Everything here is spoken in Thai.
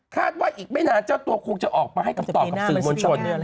ว่าอีกไม่นานเจ้าตัวคงจะออกมาให้คำตอบกับสื่อมวลชน